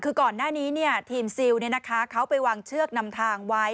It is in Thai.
ก่อนหน้านี้ทีมซิลจะวางเชือกนำทางไว้